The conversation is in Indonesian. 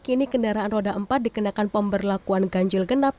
kini kendaraan roda empat dikenakan pemberlakuan ganjil genap